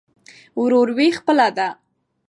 وروري خپله ده.